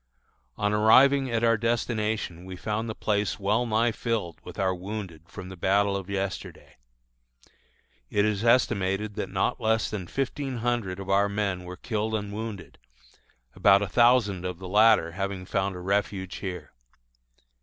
On arriving at our destination we found the place well nigh filled with our wounded from the battle of yesterday. It is estimated that not less than fifteen hundred of our men were killed and wounded, about a thousand of the latter having found a refuge here.